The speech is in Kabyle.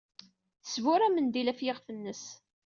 Tesbur amendil ɣef yiɣef-nnes.